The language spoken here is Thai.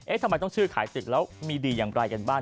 ทำไมต้องชื่อขายตึกแล้วมีดีอย่างไรกันบ้าง